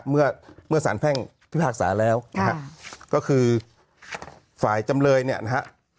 เมื่อเมื่อสารแพ่งพิพากษาแล้วนะฮะก็คือฝ่ายจำเลยเนี่ยนะฮะ